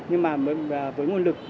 nhưng mà với nguồn lực